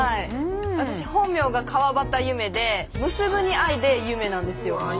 私本名が川端結愛で結ぶに愛で「ゆめ」なんですよ。